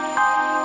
aku sudah lebih